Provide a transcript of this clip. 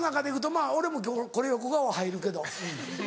まぁ俺もこれ横顔は入るけど。